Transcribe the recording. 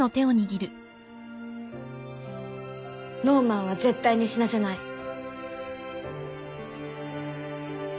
ノーマンは絶対に死なせない。